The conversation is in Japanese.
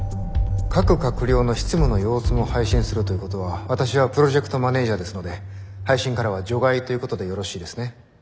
各閣僚の執務の様子も配信するということは私はプロジェクトマネージャーですので配信からは除外ということでよろしいですね。